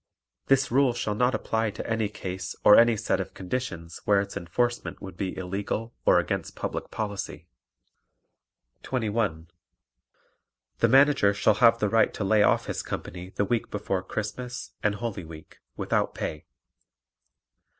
This rule shall not apply to any case or any set of conditions where its enforcement would be illegal or against public policy. 21. The Manager shall have the right to lay off his company the week before Christmas and Holy Week without pay.